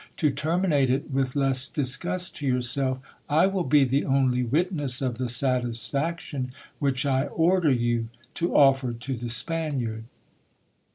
To terminate it with less disgust to yourself, I will be the only witness of the satisfaction which I order you to offer to the Spaniard.